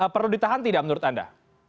perlu ditahan tidak menurut anda